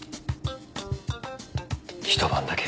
１晩だけ。